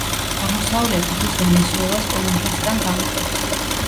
აღმოსავლეთით, ის ვენესუელას კოლუმბიისგან გამოყოფს.